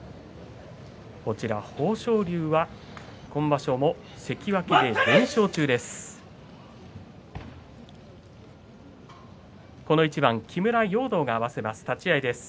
豊昇龍は今場所も関脇で連勝中です。